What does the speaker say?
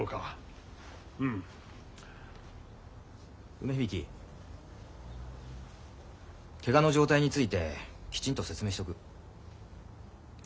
梅響ケガの状態についてきちんと説明しとく。